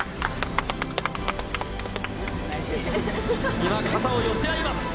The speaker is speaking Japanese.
今、肩を寄せ合います。